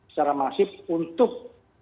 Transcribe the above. secara masif untuk